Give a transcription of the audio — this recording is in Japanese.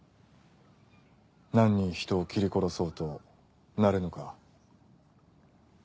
何人人を斬り殺そうと慣れぬか。